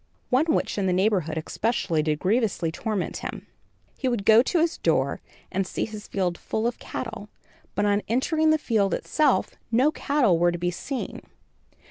One witch in the neighborhood, especially, did grievously torment him. He would go to his door and see his field full of cattle; but on entering the field itself, no cattle were to be seen.